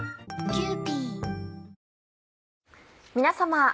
皆様。